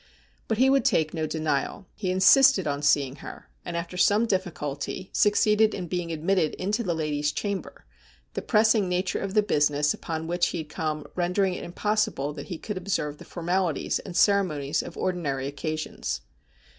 But he would take no denial. He insisted on seeing her, and after some difficulty succeeded in being admitted into the lady's chamber, the pressing nature of the business upon which he had come rendering it impossible that he could observe the formalities and ceremonies of ordinary occasions.